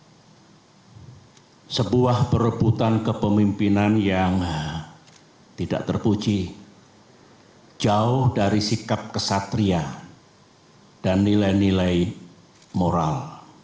ini adalah sebuah perebutan kepemimpinan yang tidak terpuji jauh dari sikap kesatria dan nilai nilai moral